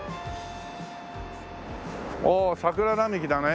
おお桜並木だね